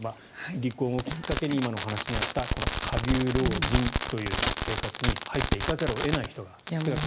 離婚をきっかけに今、お話にあったこの下流老人という生活に入っていかざるを得ない人が少なくない。